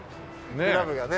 クラブがね。